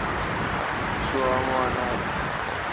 سو°اما نان۔